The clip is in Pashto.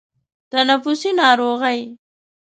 تنفسي ناروغۍ